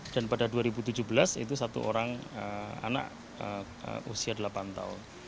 dan pada tahun dua ribu tujuh belas itu satu orang anak usia delapan tahun